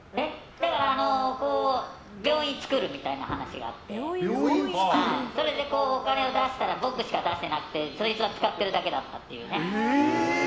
だから、病院を作るみたいな話があってそれで、お金を出したら僕しか出してなくてそいつは使ってるだけだったっていうね。